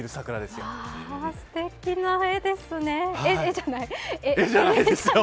すてきな絵ですね。